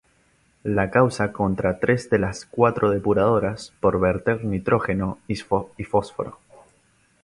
la causa contra tres de las cuatro depuradoras por verter nitrógeno y fósforo